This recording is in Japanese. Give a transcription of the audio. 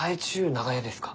長屋ですか？